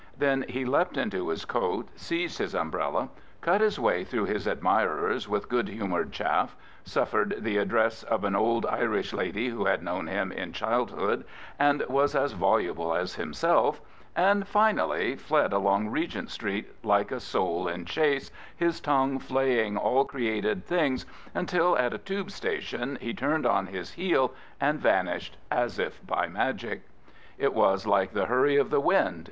Then he leapt into his coat, seized his umbrella, cut his way through his admirers with good humoured chaff, suffered the addresses ol an old Irish lady who had known him in childhood and was as voluble as himself, and Anally fled along Regent Street " like a soul in chase," his tongue flaying all created things, until at a " tube " station he turned on his heel and vanished as if by magic. It was like the hurry qf the wind